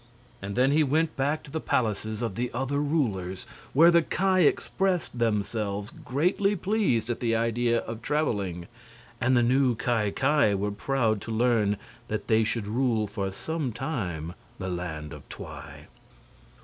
And then he went back to the palaces of the other rulers, where the Ki expressed themselves greatly pleased at the idea of traveling, and the new Ki Ki were proud to learn they should rule for some time the Land of Twi.